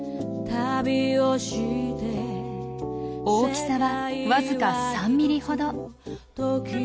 大きさはわずか３ｍｍほど。